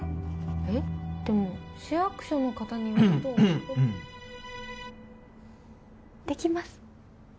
えっでも市役所の方によるとできます